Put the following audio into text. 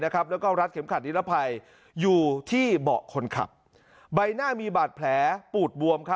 แล้วก็รัดเข็มขัดนิรภัยอยู่ที่เบาะคนขับใบหน้ามีบาดแผลปูดบวม